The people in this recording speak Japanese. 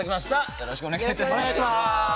よろしくお願いします。